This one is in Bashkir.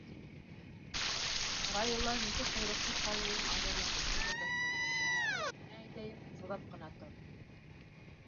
Ҡара йылан нисек ҡойроҡһоҙ ҡалыуын ажарланып һөйләргә тотондо, һиңә әйтәйем, сыҙап ҡына тор.